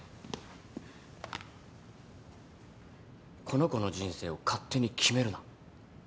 この子の人生を勝手に決めるな。